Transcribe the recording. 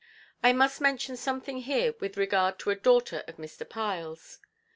I must mention something here with regard to a daughter of Mr. Pile's.